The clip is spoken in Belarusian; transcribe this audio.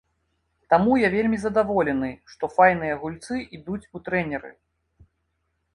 Таму я вельмі задаволены, што файныя гульцы ідуць у трэнеры.